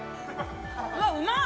うわっうまっ！